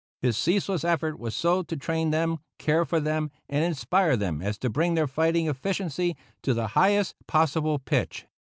His ceaseless effort was so to train them, care for them, and inspire them as to bring their fighting efficiency to the highest possible pitch.